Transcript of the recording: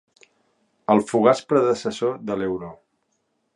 El fugaç predecessor de l'euro.